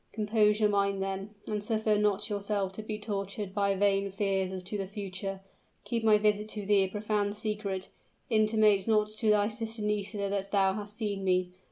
Compose your mind, then, and suffer not yourself to be tortured by vain fears as to the future. Above all, keep my visit to thee a profound secret intimate not to thy sister Nisida that thou hast seen me.